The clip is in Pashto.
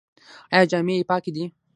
ایا جامې یې پاکې دي؟